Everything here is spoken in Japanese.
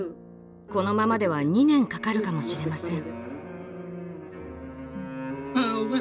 このままでは２年かかるかもしれません。